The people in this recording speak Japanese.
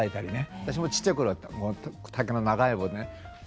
私もちっちゃい頃は竹の長い棒でね